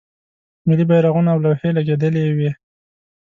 ملی بیرغونه او لوحې لګیدلې وې.